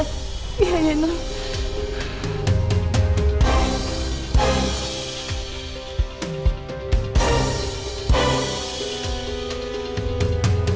ayah biarin lah